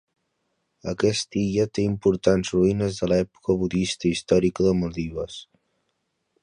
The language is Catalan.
Aquesta illa té importants ruïnes de l'època budista històrica de Maldives.